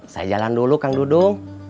saya jalan dulu kang dudung